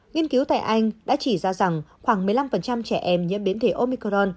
nghiên cứu tại anh đã chỉ ra rằng khoảng một mươi năm trẻ em nhiễm biến thể omicron